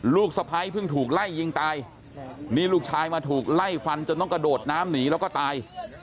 สะพ้ายเพิ่งถูกไล่ยิงตายนี่ลูกชายมาถูกไล่ฟันจนต้องกระโดดน้ำหนีแล้วก็ตาย